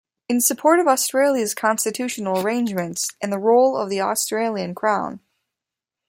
In support of Australia's constitutional arrangements and the role of the Australian Crown.